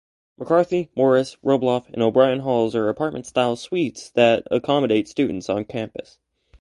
McCarthy, Morris, Rubloff, and O'Brien Halls are apartment-style suites that accommodate students on campus.